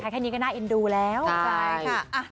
แค่นี้ก็น่าเอ็นดูแล้วใช่ค่ะ